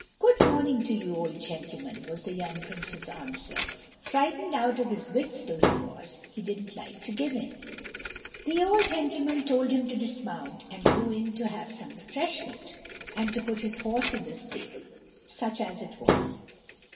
"Good morning to you, old gentleman," was the young prince's answer; frightened out of his wits though he was, he didn't like to give in. The old gentleman told him to dismount and to go in to have some refreshment, and to put his horse in the stable, such as it was.